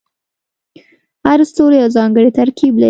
هر ستوری یو ځانګړی ترکیب لري.